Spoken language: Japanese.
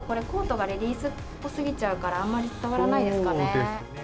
ちょっとこれ、コートがレディースっぽすぎちゃうからあんまり伝わらないですか